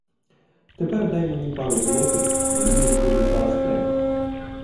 Тепер дай мені пару золотих — мені їх буде зараз треба.